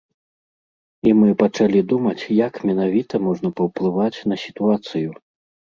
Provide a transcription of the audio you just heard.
І мы пачалі думаць, як менавіта можна паўплываць на сітуацыю.